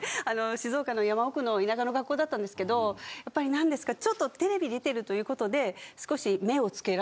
静岡の山奥の田舎の学校だったんですけどやっぱりなんですかちょっとテレビ出てるということで少し。